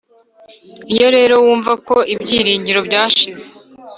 iyo rero wumva ko ibyiringiro byashize